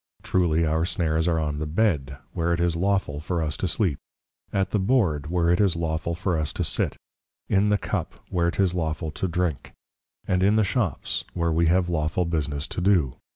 Truly, our Snares are on the Bed, where it is Lawful for us to Sleep; at the Board, where it is Lawful for us to Sit; in the Cup, where 'tis Lawful to Drink; and in the Shops, where we have Lawful Business to do.